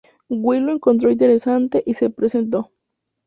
Will lo encontró interesante y se presentó.